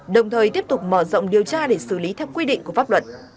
đồng thời tiếp tục mở rộng điều tra để xử lý theo quy định của pháp luật